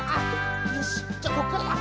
よしじゃあこっからだ。